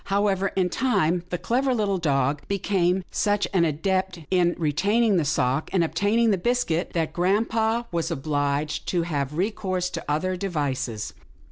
However, in time, the clever little dog became such an adept in retaining the sock, and obtaining the biscuit, that grampa was obliged to have recourse to other devices.